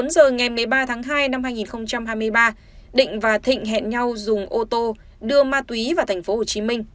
một mươi giờ ngày một mươi ba tháng hai năm hai nghìn hai mươi ba định và thịnh hẹn nhau dùng ô tô đưa ma túy vào tp hcm